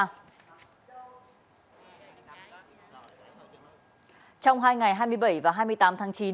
trong hai ngày hai mươi bảy và hai mươi tám tháng chín